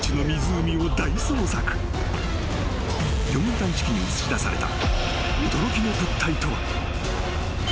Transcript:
［魚群探知機に映し出された］